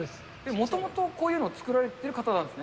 もともとこういうのを作られてる方なんですね？